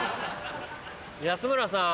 安村さん。